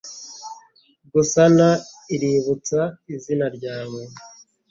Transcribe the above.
gusana iributsa izina ryawe